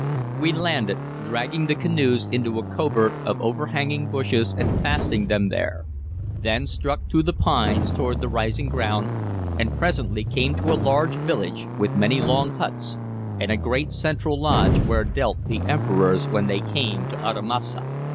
We landed, dragging the canoes into a covert of overhanging bushes and fastening them there; then struck through the pines toward the rising ground, and presently came to a large village, with many long huts, and a great central lodge where dwelt the emperors when they came to Uttamussac.